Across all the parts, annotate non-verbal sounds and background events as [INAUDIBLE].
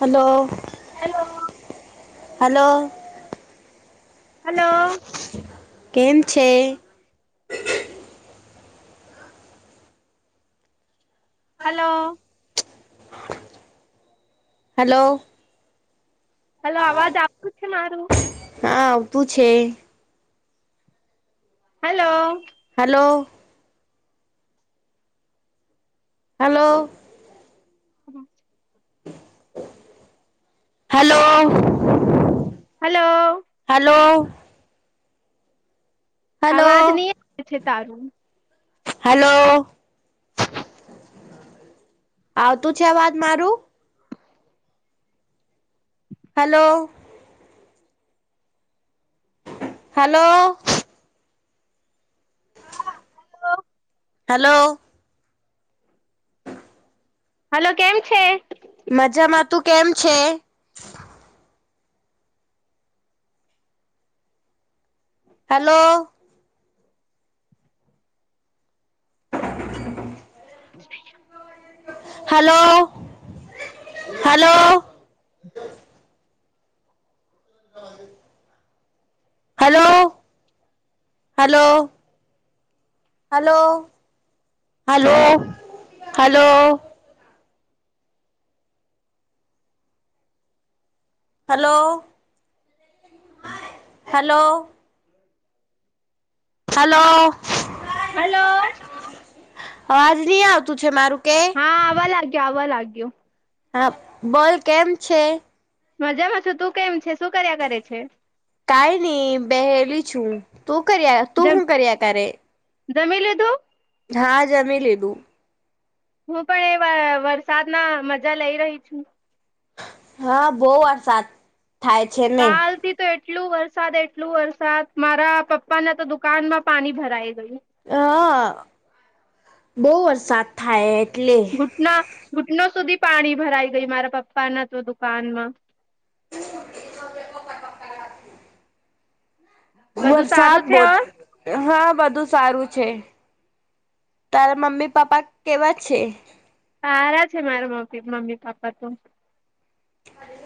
Hello hello hello hello કેમ છે hello hello hello અવાજ આવતું છે મારું હા આવતું છે હલો હલો હલો હ હલો હલો હલો હલો અવાજ નહી આવે છે તારું હલો આવતું છે અવાજ મારું હલો હલો હલો હલો કેમ છે મજામાં તું કેમ છે હલો [INAUDIBLE] છે હલો હલો હલો ના આઇ hello hello hello hello hello hello hello hello hello અવાજ નહી આવતું છે મારું કે હા આવવા લાગ્યો આવવા લાગ્યો. હા બોલ કેમ છે? મજામાં છું તું કેમ છે શું કર્યા કરે છે? કઈ નઈ બેહેલી છું તું કર્યા તું શું કર્યા કરે? દમલ તો [UNINTELLIGIBLE] હા જમી લીધું. હું પણ એ વરસાદ ના મજા લઈ રહી છું. હા બહ વરસાદ થાય છે ને. કાલ થી તો એટલું વરસાદ એટલું વરસાદ મારા પપ્પા ના તો દુકાનમાં પાણી ભરાઈ ગયું. હ બહ વરસાદ થાય એટલે. ઘટના ઘૂટનો સુધી પાણી ભરાઈ ગઈ મારા પપ્પા ના તો દુકાનમાં. બધું વરસાદ સારું છે બહ હવે હા બધું સારું છે, તારા મમ્મી પપ્પા કેવા છે. સારા છે, મારામ મમ્મી પપ્પા તો હરે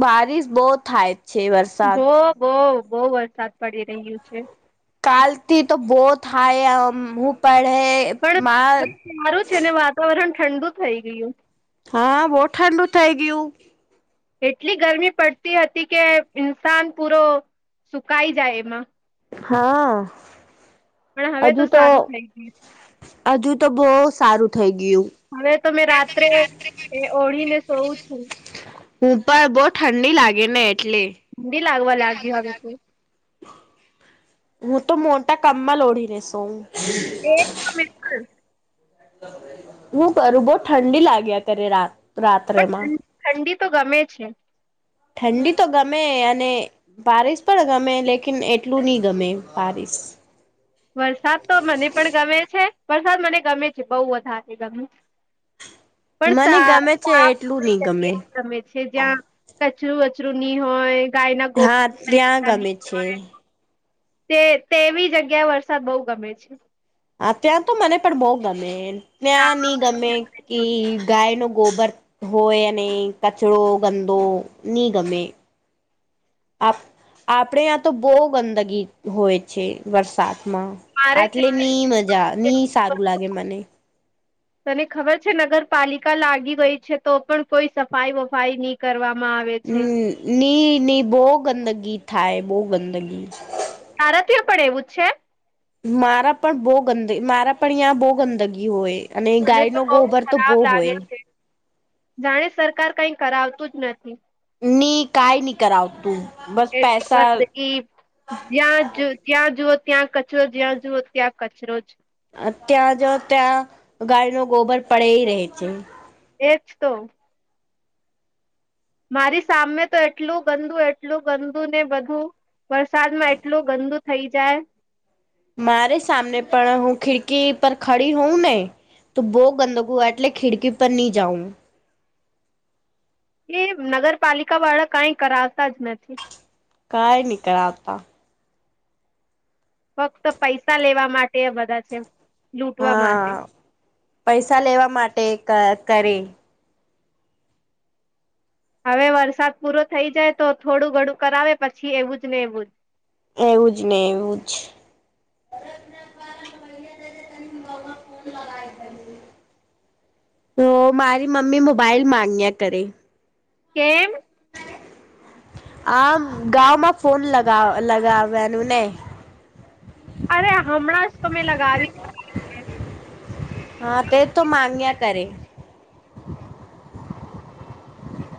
બારીિશ બહ થાય છે વરસાદ બહ બહ બહુ વરસાદ પડી રહ્યો છે. કલથી તો બહુત હાાય, હ હું પડેૈ પણ સારું છે, ને વાતાવરણ ઠંડુ થઈ ગયુ હા બહુ ઠંડુ થઈ ગયુ. એટલી ગરમી પડતી હતી, કે ઇન્સાન પૂરો સુકાઈ જાય એમાં હા. પણ હવે તો સારું થઈ ગયુ છે. હજુ તો બહ સારું થઈ ગયુ હવે તમે રાત્રે એ ઓળીને સોવં છુ. હું પણ બહ ઠંડી લાગે ને એટલે ઠંડી લાગવા લાગી હવે તુ હું તો મોટા કામમાં લોડીનેસ હુ. એ બિલકુલ હું કરું બહ, ઠંડી લાગી કરી રાત્રેમા ઠંડી તો ગમે છે. ઠંડી તો ગમે અને પારિસ પણ ગમે લેકિન એટલું નહ, ગમે પારિસ વરસાદ તો મને પણ ગમે છે વરસાદ મને ગમે છે, બહુ વધારે ગમે પણ મને સા ગમે છે, સાફ એટલું નહ સુથરી ગમે જગ્યા ગમે છે જ્યાં કચરું વચરું ની હોય ગાય ના હા ત્યાં ગોબરરેાની ગમે છે. હોય. તે તેવી જગ્યાએ વરસાદ બહુ ગમે છે. હા, ત્યાં તો મને પણ બહુ ગમે ના ત્યાં નની ગમે પડે કે છે વરસાદ. ગાય ન ગોબર હોય, અને કચરોો ગંદો નહી ગમે આપ આપણે આ્યાં તો બહુ ગંદગી હોય છે. વરસાદમા મારે તે આટલે જગ્યાએ- ની મજા ની સારું લાગે મને તને ખબર છે નગરપાલિકા લાગી ગઈ છે તો પણ કોઈ સફાઈ વફાઈ નહી. કરવામાં આવે છે. ની ની બહુ ગંદગી થાય બહુ ગંદગી તાર ત્યા પણ એવું જ છે. મારા પણ બહ ગંદ મારા પણ યાં બહુ ગંદગી હોય. અને છે મને ગાય તો નો બહુ ગોબર તો બહુ ખરાબ લાગે હોય. છે જાણે સરકાર કઈ કરાવતું જ નથી. નની કઈ નહી કરાવ તુ એ એ જ્યાં જ જ્યાં જુઓ ત્યાં કચરો જ્યાં જુઓ ત્યાં કચરો જ ત્યાં જ ત્યાં ગાય ન ગોબર પડે રહે છે. એ જ તો મારી સામેમે તો એટલું ગંદુ એટલું ગંદ, ને બધું વરસાદ માં એટલું ગંદુ થઇ જાય મારે સામને પણ હું ખિડકી પર ખડી હોઉ, ને તો બહુ ગંદગુવા એટલે ખિડકી પર ન જાઉ એ નગરપાલિકા વાળા કઈ કરાવતા જ નથી. કાય નકળ, આવતા ફક્ત પૈસા લેવા માટે બધા છે, લૂટવા માટે હા પૈસા લેવા માટે કરે હવે વરસાદ પૂરો થઈ જાય તો થોડું ઘડું કરાવે પછી એવું જ ને એવું જ એવું જ ને એવું જ. [INAUDIBLE] તો મારી મમ્મી મોબાઈલ માંગ્યા કરે. કેમ. આમ ગામાં ફોન લગ લગાવવાનું ને અરે હમણાં જ તો મેં લગાવી હા તે તો માંગ્યા કરે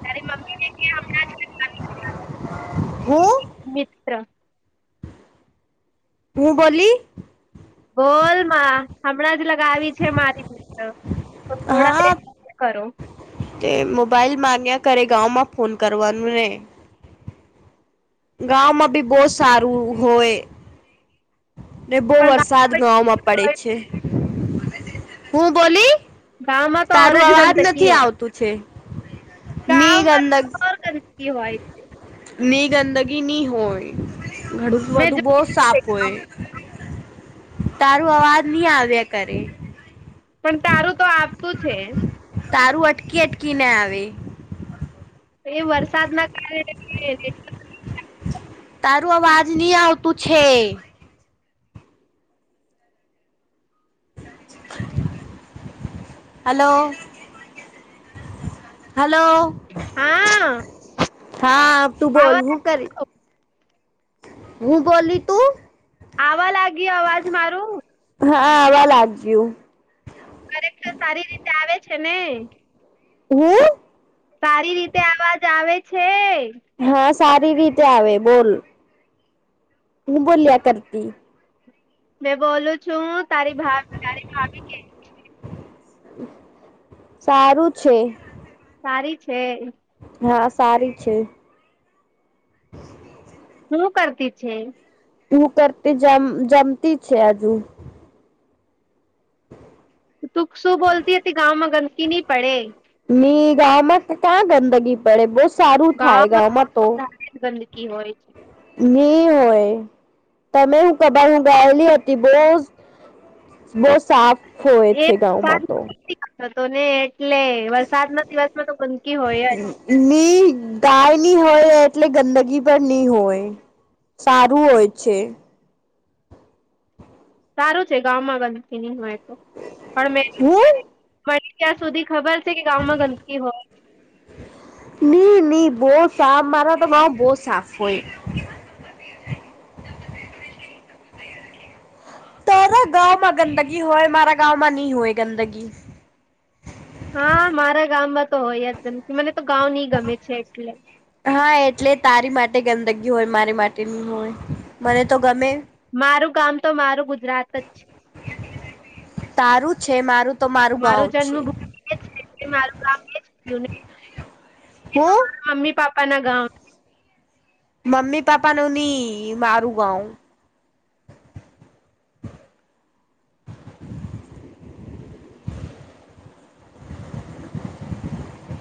તારી મમ્મીને કે હમણાં જ લગાવી હું મિત્ર. હું બોલી. બોલ હમણાં જ લગાવી છે મારી મિત્ર તો થોડા હા દર કરો. તે મોબાઈલ માગ્યા ઘરે ગાંવમાં ફોન કરવાનું ને ગાંમાં બી બહુ સારું હોય. ને બહ પણ વરસાદ ગાવ પડે છે. હું બોલી? ગાવમાં તારું અવાજ નથી આવતું છે નીઘ અંદર [INAUDIBLE] ની ગંદકી નઈ હોય ઘણું મેં બધું બોવ જોયું છે સારું હોય ગામમાં તારું અવાજ નહી આવ્યા કરે. પણ તારું તો આપતું છે. તારું અટકી અટકીને આવે. એ વરસાદના કારણે તારું આવાજ નય આવતું છે. હેલો. હેલો. હા હા તું બોલ આવા હું કરી હું બોલી તું આવવા લાગી અવાજ મારું હા આવા લાગ્યું. દરેક તો સારી રીતે આવે છે ને હું? સારી રીતે અવાજ આવે છે. હા સારી રીતે આવે બોલ. હું બોલ્યા કરતી. મે બોલું છું તારી ભા તારી ભાભી કે સારું છે. સારી છે. હા સારી છે. હું કરતી છે. હું કરતી જમ જમતી છે હજુ તું શું બોલતી હતી ગાંમાં ગંદકી નહી પડે. ની ગામમાં ક્યાં ગંદગી પડે બહુ સારું થાય ગામમાં તો. લી ગંદકી હોય છે. ની હોય. તમે હું [UNINTELLIGIBLE] બહુ સાફ હોય છે ગાંવમાં તો. તો ને એટલે વરસાદના દિવસમાં તો ગંદકી હોય જ ની ગાય નય હોય એટલે ગંદગી પર નય હોય. સારું હોય છે. સારું છે ગામમાં ગંદકી નય હોય તો પણ મે હું મ ત્યાં સુધી ખબર છે કે ગામમાં ગંદકી હોય. નઈ નહી બહ સાફ મારા તો બહ સાફ હોય. તારા ગાંવમાં ગંદગી હોય, મારા ગાંવમાં ની હોય ગંદગી. હા મારા ગામમાં તો હોય જ ગંદકી, મને તો ગાંવ ની ગમે છે એટલે. હા, એટલે તારી માટે ગંદગી હોય, મારી માટે ની હોય, મને તો ગમે. મારું ગામ તો મારું ગુજરાત જ છે. તારું છે મારું તો ગાવ મારું છે જન્મ [INAUDIBLE] છે એટલે મારું ગાંવ એ થયું ને. એ તો હું મારા મમ્મી પાપા ના ગાંવ મમ્મી પાપા નું ની, મારું ગાંવ.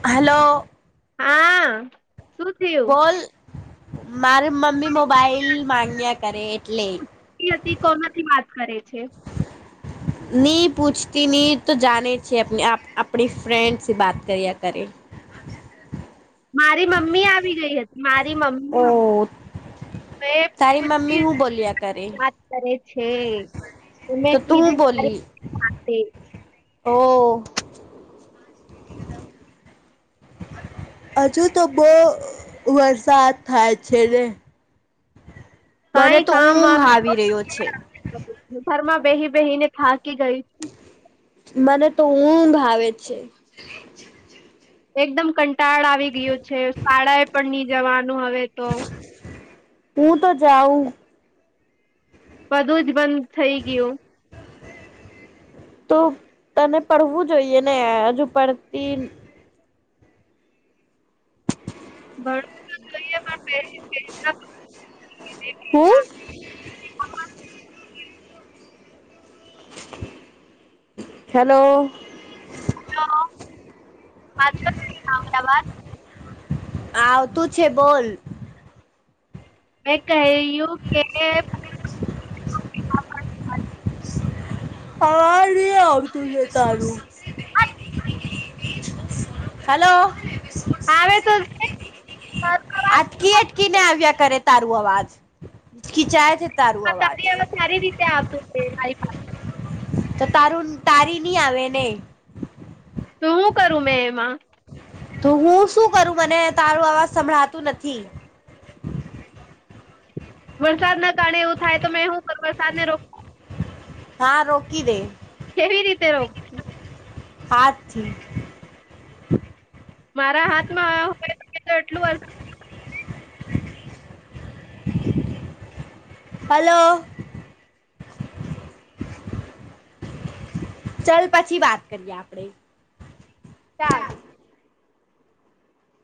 હલો. હા. શું થયું બોલ. મારી મમ્મી મોબાઈલ માંગ્યા કરે એટલે. [UNINTELLIGIBLE] કોનાથી વાત કરે છે? ની પૂછતી ની, તું જાને છે અપની આપ આપણી ફ્રેન્ડ સે બાત કર્યા કરે. મારી મમ્મી આવી ગઈ હતી. માર ઓહ! [INAUDIBLE] પૂછતી કરે [INAUDIBLE] વાત કરે છે. તો મે તું હું કીધું [INAUDIBLE] ઓહ! હજુ તો બહુ વરસાદ થાય છે ને. મને કઈ તો કામ ઊંઘ વામ નહી આવી રહ્યો છે. ઘરમાં બેહી-બેહી ને થાકી ગઈ. મને તો ઊંઘ આવે છે. એકદમ કંટાળ આવી ગયું છે, શાળાએ પણ ની જવાનું હવે તો. હું તો જાઉં બધું જ બંધ થઈ ગયું. તો તને પડવું જોઈએ ને, હજુ પડતી [INAUDIBLE] પડ હું? હેલો? હેલો. [INAUDIBLE] આવતું છે બોલ. મેં કહ્યું કે અવાજ નહીં આવતું છે તારું. હલો. આવે તો છે અટકી-અટકી ને આવ્યા કરે તારું આવાજ. ખીંચાય છે તારું આવાજ. હમણાં સારી રીતે આવતું તું [UNINTELLIGIBLE] તો તારું તારી ની આવે ને. તો હું કરું મેં એમાં? તો હું શું કરું? મને તારો અવાજ સંભળાતું નથી. વરસાદના કારણે એવું થાય તો મેં હું કરું? વરસાદ ને રોક હા રોકી દે. કેવી રીતે રોકશું? હાથથી. મારા હાથમાં [INAUDIBLE] તો એટલું [INAUDIBLE] હેલો. ચલ પછી વાત કરીએ આપણેે. ચાર.